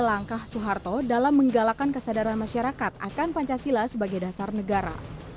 langkah soeharto dalam menggalakkan kesadaran masyarakat akan pancasila sebagai dasar negara